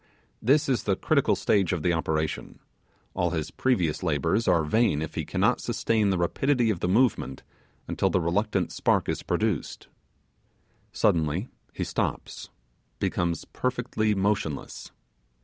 This is the critical stage of the operation; all his previous labours are vain if he cannot sustain the rapidity of the movement until the reluctant spark is produced. Suddenly he stops, becoming perfectly motionless.